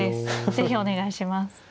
是非お願いします。